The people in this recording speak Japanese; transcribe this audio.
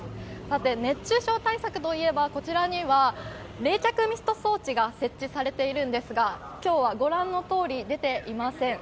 熱中症対策といえば、こちらには冷却ミスト装置が設置されているんですが、今日はご覧のとおり、出ていません。